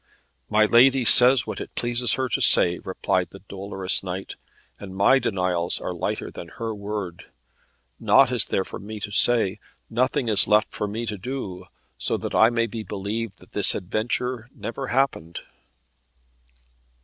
"My lady says what it pleases her to say," replied the dolorous knight, "and my denials are lighter than her word. Naught is there for me to say; nothing is left for me to do, so that I may be believed that this adventure never happened."